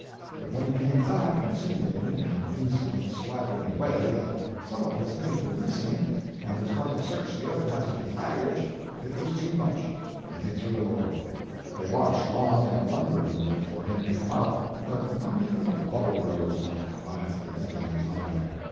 But when he came back insinuating, in an insolent, swaggering way, that some of this things were missing, and was going to search the other passengers' baggage, it was too much, and they threw him overboard. They watched long and wonderingly for him to come up, but not even a bubble rose on the quietly ebbing tide.